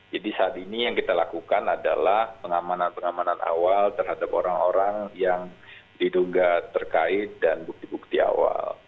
jadi saat ini yang kita lakukan adalah pengamanan pengamanan awal terhadap orang orang yang diduga terkait dan bukti bukti awal